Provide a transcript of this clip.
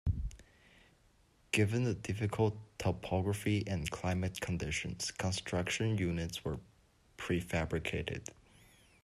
Given the difficult topographic and climatic conditions, construction units were prefabricated.